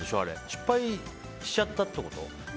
失敗しちゃったってこと？